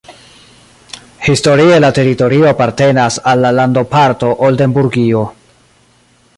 Historie la teritorio apartenas al la landoparto Oldenburgio.